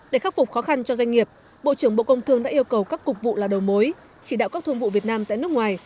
để khắc phục khó khăn cho doanh nghiệp bộ trưởng bộ công thương đã yêu cầu các cục vụ là đầu mối chỉ đạo các thương vụ việt nam tại nước ngoài